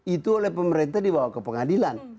itu oleh pemerintah dibawa ke pengadilan